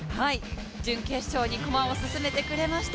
準決勝に駒を進めてくれました。